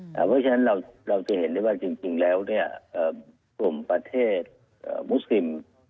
เพราะฉะนั้นเราจะเห็นได้ว่าจริงแล้วกลุ่มประเทศมุสซิม